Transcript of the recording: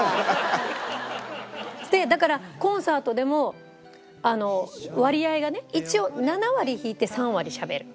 だからコンサートでも割合がね一応７割弾いて３割しゃべる。